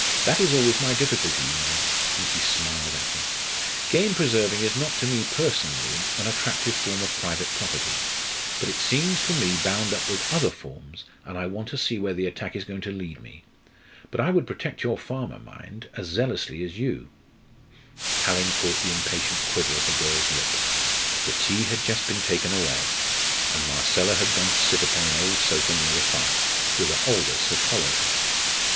"That is always my difficulty, you know," and he smiled at her. "Game preserving is not to me personally an attractive form of private property, but it seems to me bound up with other forms, and I want to see where the attack is going to lead me. But I would protect your farmer mind! as zealously as you." Hallin caught the impatient quiver of the girl's lip. The tea had just been taken away, and Marcella had gone to sit upon an old sofa near the fire, whither Aldous had followed her.